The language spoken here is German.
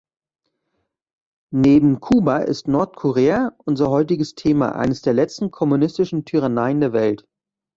Neben Kuba ist Nordkorea, unser heutiges Thema, eines der letzten kommunistischen Tyranneien der Welt.